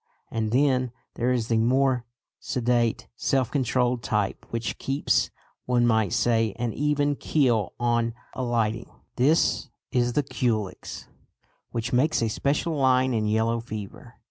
And then there is the more sedate self controlled type which keeps, one might say, an even keel on alighting. This is the Culex, which makes a "special line" in yellow fever.